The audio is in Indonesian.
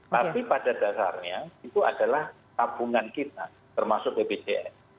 tapi pada dasarnya itu adalah tabungan kita termasuk bpjs